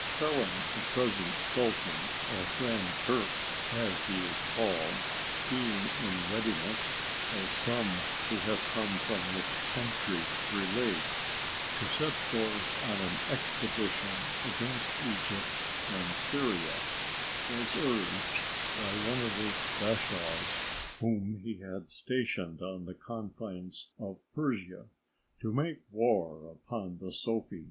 Selim, the present sultan, or Grand Turk as he is called, being in readiness, as some who come from his country relate, to set forth on an expedition against Egypt and Syria, was urged by one of his bashaws whom he had stationed on the confines of Persia, to make war upon the Sofi.